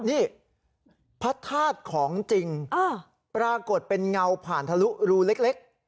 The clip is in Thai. นี่พระธาตุของจริงปรากฏเป็นเงาผ่านทะลุรูเล็ก